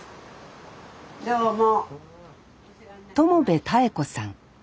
どうも。